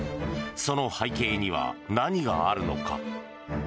その背景には何があるのか。